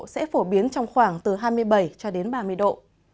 sẽ phổ biến trong khoảng từ hai mươi bảy cho đến ba mươi độ